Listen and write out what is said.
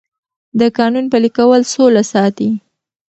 د قانون پلي کول سوله ساتي